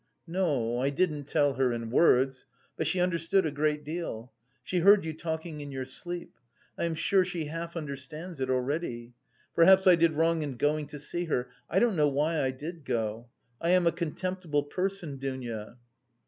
"No, I didn't tell her... in words; but she understood a great deal. She heard you talking in your sleep. I am sure she half understands it already. Perhaps I did wrong in going to see her. I don't know why I did go. I am a contemptible person, Dounia."